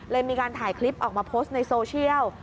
มีการถ่ายคลิปออกมาโพสต์ในโซเชียล